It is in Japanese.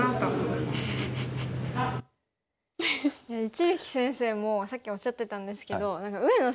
一力先生もさっきおっしゃってたんですけど上野